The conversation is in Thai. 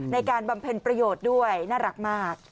ในการบำเพลงประโยชน์ด้วยน่ารักมาก